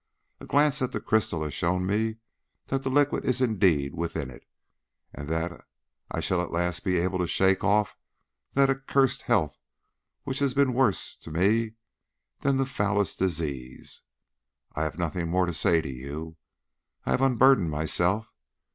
A glance at the crystal has shown me that the liquid is indeed within it, and that I shall at last be able to shake off that accursed health which has been worse to me than the foulest disease. I have nothing more to say to you. I have unburdened myself.